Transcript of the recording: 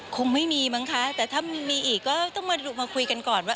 คงไม่มีมั้งคะแต่ถ้ามีอีกก็ต้องมาคุยกันก่อนว่า